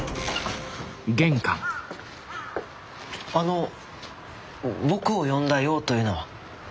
あの僕を呼んだ用というのは？